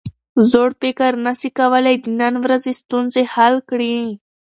زوړ فکر نسي کولای د نن ورځې ستونزې حل کړي.